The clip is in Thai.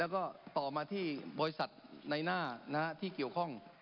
แล้วก็ต่อมาที่บริษัทในหน้าที่เกี่ยวข้อง